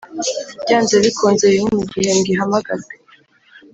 byanze bikunze rimwe mu gihembwe ihamagarwe